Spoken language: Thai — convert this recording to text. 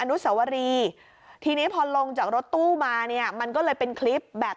นุสวรีทีนี้พอลงจากรถตู้มาเนี่ยมันก็เลยเป็นคลิปแบบ